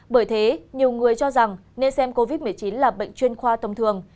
bởi thế nhiều người cho rằng nên xem covid một mươi chín là bệnh chuyên khoa tâm thường